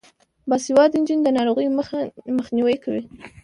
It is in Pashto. باسواده نجونې د ناروغیو مخنیوی کوي.